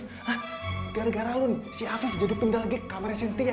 hah gara gara lu nih si afif jadi pindah lagi ke kamarnya cynthia